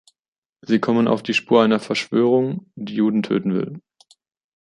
Sie kommen auf die Spur einer Verschwörung, die Juden töten will.